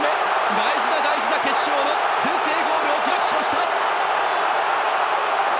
大事な大事な決勝の先制ゴールを記録しました！